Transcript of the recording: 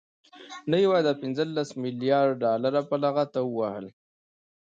نه يوازې دا پنځلس مليارده ډالر په لغته ووهل،